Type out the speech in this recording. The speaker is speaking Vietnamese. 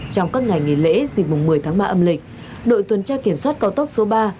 trong các ngày nghỉ lễ dịp mùng một mươi tháng ba âm lịch đội tuần tra kiểm soát cao tốc số ba